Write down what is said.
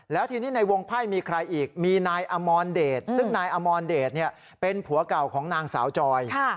แล้วทีนี้ในวงไพ่มีใครอีกมีนายอมรเดชซึ่งนายอมรเดชเป็นผัวเก่าของนางสาวจอย